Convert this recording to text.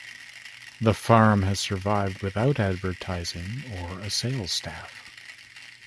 The farm has survived without advertising or a sales staff.